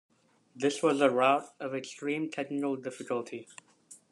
This was a route of extreme technical difficulty.